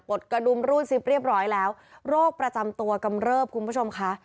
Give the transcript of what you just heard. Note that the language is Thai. ดกระดุมรูดซิบเรียบร้อยแล้วโรคประจำตัวกำเริบคุณผู้ชมค่ะ